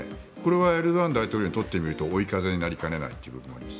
これはエルドアン大統領にとってみると追い風になりかねないということなんです。